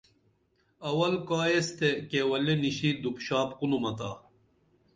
اول کائیس تے کیولے نِشی دُپ شاپ کُنُمہ تا